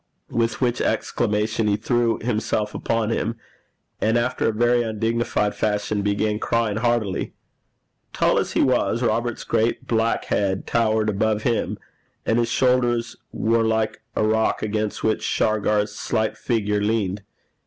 with which exclamation he threw himself upon him, and after a very undignified fashion began crying heartily. Tall as he was, Robert's great black head towered above him, and his shoulders were like a rock against which Shargar's slight figure leaned.